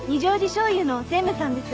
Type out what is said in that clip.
醤油の専務さんです。